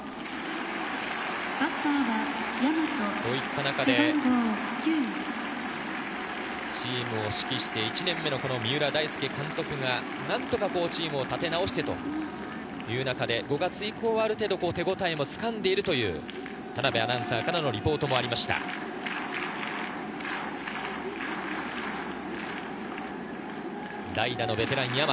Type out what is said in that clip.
そういった中でチームを指揮して１年目の三浦大輔監督が、何とかチームを立て直してという中で、５月以降はある程度、手応えもつかんでいるという田辺アナウンサーからのリポートでした代打ベテラン大和。